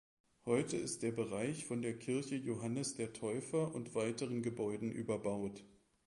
Heute ist der Bereich von der Kirche Johannes der Täufer und weiteren Gebäuden überbaut.